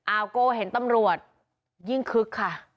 โก้เห็นตำรวจยิ่งคึกค่ะ